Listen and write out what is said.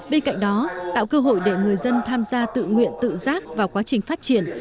bên cạnh đó tạo cơ hội để người dân tham gia tự nguyện tự giác vào quá trình phát triển